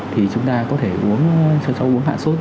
thì chúng ta có thể cho cháu uống hạ sốt